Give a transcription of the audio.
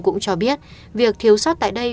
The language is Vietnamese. cũng cho biết việc thiếu sót tại đây